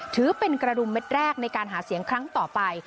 ถือเป็นกระดุมเม็ดแรกในการหาเสียงครั้งต่อไป